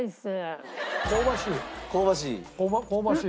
香ばしい！